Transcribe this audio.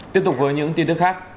tiếp tục với những tin tức khác